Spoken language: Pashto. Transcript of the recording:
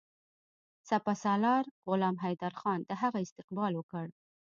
سپه سالار غلام حیدرخان د هغه استقبال وکړ.